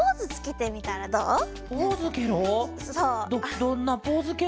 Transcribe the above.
どんなポーズケロ？